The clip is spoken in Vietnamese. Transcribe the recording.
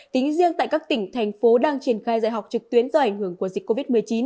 tính riêng tại các tỉnh thành phố đang triển khai dạy học trực tuyến do ảnh hưởng của dịch covid một mươi chín